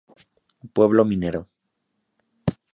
Pueblo minero.